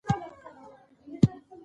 افغانستان له کندهار ډک دی.